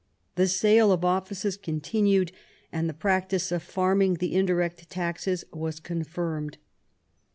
The sale of offices continued, and the practice of farming the indirect taxes was confirmed.